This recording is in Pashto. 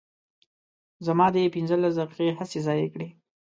زما دې پنځلس دقیقې هسې ضایع کړې.